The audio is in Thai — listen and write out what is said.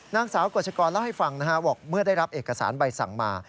นางสาวกฎชกรเล่าให้ฟังนะฮะบอกเมื่อได้รับเอกสารใบสั่งมา